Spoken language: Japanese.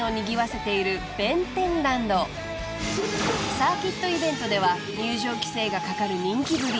［サーキットイベントでは入場規制がかかる人気ぶり］